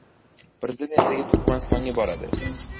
Prezident ertaga Turkmanistonga boradi